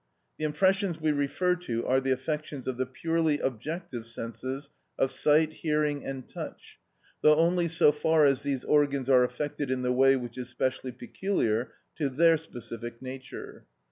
The impressions we refer to are the affections of the purely objective senses of sight, hearing, and touch, though only so far as these organs are affected in the way which is specially peculiar to their specific nature.